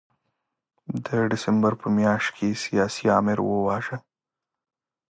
د ډسمبر په میاشت کې سیاسي آمر وواژه.